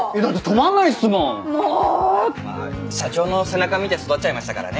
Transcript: まあ社長の背中見て育っちゃいましたからね。